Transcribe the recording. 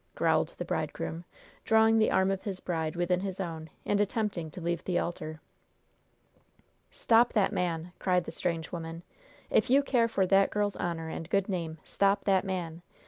growled the bridegroom, drawing the arm of his bride within his own and attempting to leave the altar. "Stop that man!" cried the strange woman. "If you care for that girl's honor and good name, stop that man!"